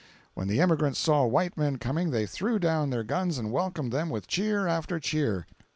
When the emigrants saw white men coming they threw down their guns and welcomed them with cheer after cheer!